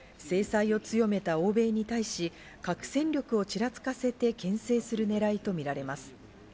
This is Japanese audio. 制裁を強めた欧米に対し、核戦力をちらつかせて牽制する狙いとみられます。